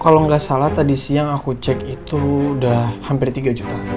kalo gak salah tadi siang aku cek itu udah hampir tiga jutaan